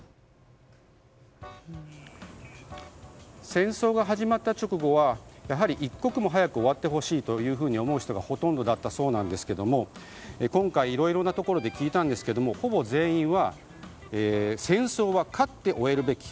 戦争が始まった直後は一刻も早く終わってほしいと思う人がほとんどだったそうなんですが今回、いろいろなところで聞いたんですけどほぼ全員は戦争は勝って終えるべき。